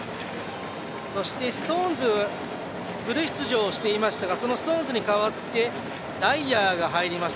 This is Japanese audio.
そして、ストーンズフル出場していましたがストーンズに代わってダイアーが入りました。